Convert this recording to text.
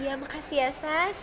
iya makasih ya sas